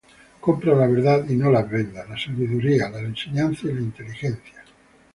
Compra la verdad, y no la vendas; La sabiduría, la enseñanza, y la inteligencia.